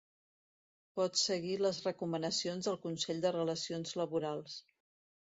Pots seguir les recomanacions del Consell de Relacions Laborals